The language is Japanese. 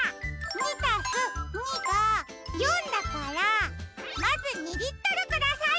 ２＋２が４だからまず２リットルください！